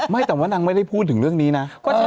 ไม่แต่ว่านางไม่ได้พูดถึงเรื่องนี้นะ